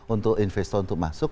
untuk investor untuk masuk